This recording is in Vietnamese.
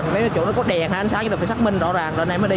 nếu chỗ có đèn hay ánh sáng thì phải xác minh rõ ràng rồi anh em mới đi